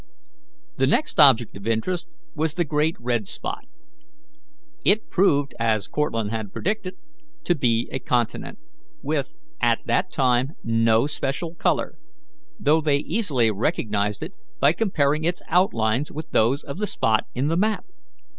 The next object of interest was the great red spot. It proved, as Cortlandt had predicted, to be a continent, with at that time no special colour, though they easily recognized it by comparing its outlines with those of the spot in the map.